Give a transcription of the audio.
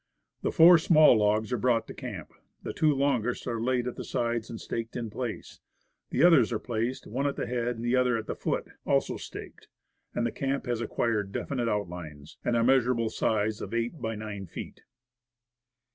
The four small logs are brought to camp; the two longest are laid at the sides and staked in place; the others are placed, one at the head, the other at the foot, also staked; and the camp has acquired definite outlines, and a measurable size of eight by nine feet.